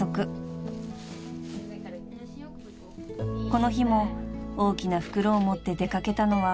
［この日も大きな袋を持って出掛けたのは］